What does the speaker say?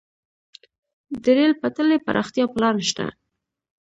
د ریل پټلۍ پراختیا پلان شته